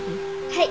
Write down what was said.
はい。